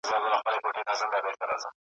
زه د پېړیو ګیله منو پرهارونو آواز ,